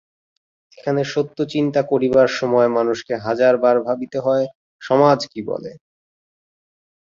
এখানে সত্য চিন্তা করিবার সময় মানুষকে হাজার বার ভাবিতে হয়, সমাজ কি বলে।